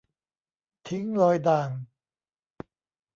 ทิ้งรอยด่าง